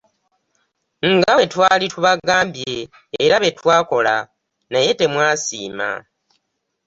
Nga bwe twali tubagambye era bwe twakola naye temwasiima.